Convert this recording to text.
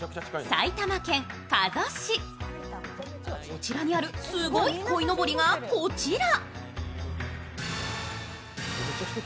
こちらにある、すごいこいのぼりがこちら。